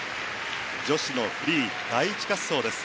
女子のフリー第１滑走です。